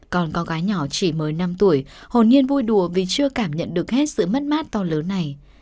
còn có gái nhỏ chỉ mới năm tuổi hồn nhiên vui đùa vì chưa cảm nhận được hết sự mất mát to lớn này